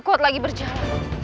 kuat lagi berjalan